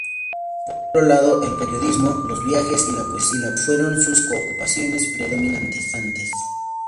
Por otro lado el periodismo, los viajes y la poesía fueron sus ocupaciones predominantes.